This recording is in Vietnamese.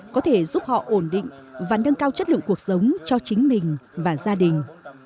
có thể giúp họ ổn định và nâng cao chất lượng cuộc sống cho chính mình và gia đình